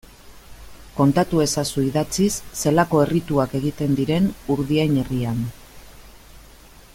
Kontatu ezazu idatziz zelako errituak egiten diren Urdiain herrian.